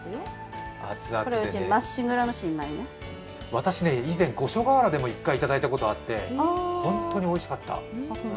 私、以前、五所川原でも一回いただいたことがあって、本当においしかった。